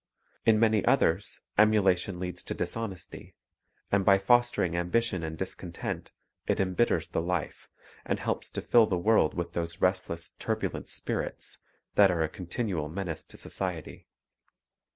In many others, emulation leads to dishonesty ; and by fostering ambition and discontent, it embitters the life, and helps to fill the world with those restless, turbu lent spirits that are a continual menace to society.